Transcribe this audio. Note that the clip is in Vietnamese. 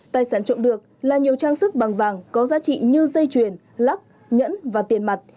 tài sản trộm được là nhiều trang sức bằng vàng có giá trị như dây chuyền lắc nhẫn và tiền mặt